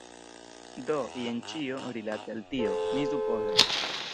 Do, jen ĉio, rilate al tio. Mi supozas.